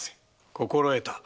心得た。